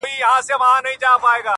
څنگه به هغه له ياده وباسم،